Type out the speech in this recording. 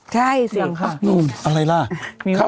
ใช่สิเหมือนกับนู้นอะไรแหละ